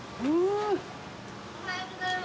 おはようございます。